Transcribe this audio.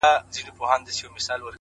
لكه برېښنا!!